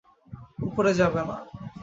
উপরে যাবে না।